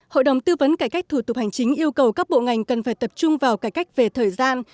hội đồng tư vấn cải cách thủ tục hành chính yêu cầu các bộ ngành cần phải tập trung vào cải cách về thời gian